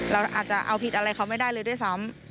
เราอาจจะเอาผิดอะไรเขาไม่ได้เลยด้วยซ้ำ